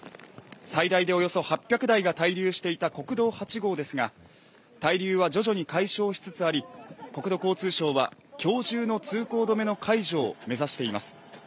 最大でおよそ８００台が滞留していた国道８号ですが滞留は徐々に解消しつつあり国土交通省は今日中の通行止めの解除を目指しています。